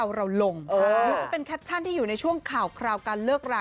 คือใบเฟิร์นเขาเป็นคนที่อยู่กับใครก็ได้ค่ะแล้วก็ตลกด้วย